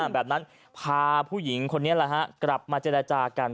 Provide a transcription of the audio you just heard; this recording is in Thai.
แบบนั้นพาผู้หญิงคนนี้กลับมาเจรจากัน